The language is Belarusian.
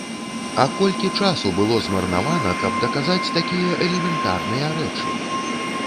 А колькі часу было змарнавана, каб даказаць такія элементарныя рэчы!